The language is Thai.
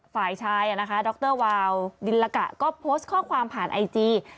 ฝ่ายชายนะคะดรวาวดิลกะก็โพสต์ข้อความผ่านไอจี